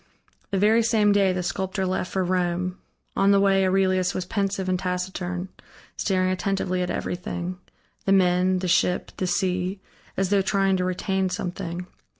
The very same day the sculptor left for Rome. On the way Aurelius was pensive and taciturn, staring attentively at everything the men, the ship, the sea, as though trying to retain something.